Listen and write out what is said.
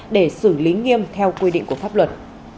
để xử lý nghiêm theo quy định của pháp luật